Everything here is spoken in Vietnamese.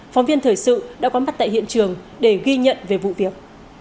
phóng viên thời sự đã có mặt tại hiện trường để ghi nhận về vụ việc